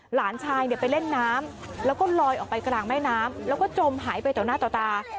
หลานชายเนี่ยไปเล่นน้ำแล้วก็ลอยออกไปกลางแม่น้ำแล้วก็จมหายไปต่อหน้าต่อตา